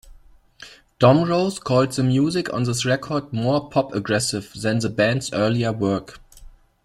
Domrose called the music on this record more "pop-aggressive" than the band's earlier work.